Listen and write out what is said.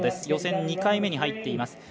予選２回目に入っています。